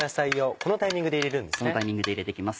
このタイミングで入れて行きます